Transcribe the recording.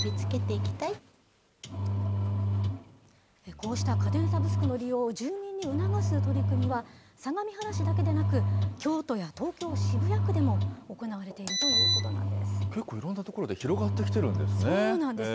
こうした家電サブスクの利用を住民に促す取り組みは、相模原市だけでなく、京都や東京・渋谷区でも行われているということな結構いろんな所で広がってきそうなんです。